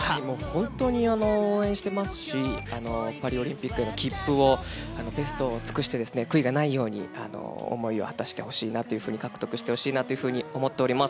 本当に応援してますしパリオリンピックの切符をベストを尽くして悔いがないように思いを果たしてほしいな獲得してほしいなと思っております。